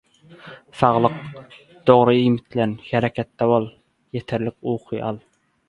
Saglyk? Dogry iýmitlen, hereketde bol, ýeterlik uky al…